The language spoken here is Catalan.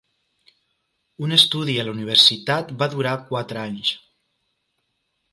Un estudi a la universitat va durar quatre anys.